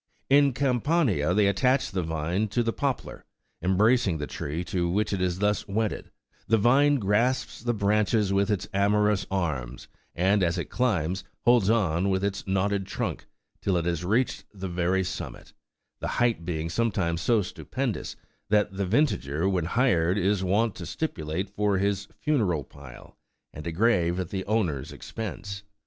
In Campania they attach13 the vine to the poplar : embracing the tree to which it is thus wedded, the vine grasps the branches with its amorous arms, and as it climbs, holds on with its knotted trunk, till it has reached the very summit ; the height being sometimes so stupendous that the vintager when hired is wont to stipulate for his funeral pile and a grave at the owner's expense.